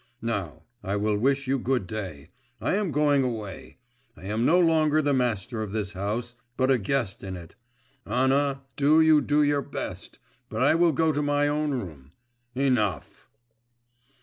… Now, I will wish you good day, I am going away. I am no longer the master of this house, but a guest in it. Anna, do you do your best; but I will go to my own room. Enough!